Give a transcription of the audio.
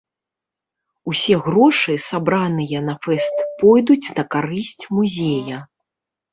Усе грошы, сабраныя на фэст пойдуць на карысць музея.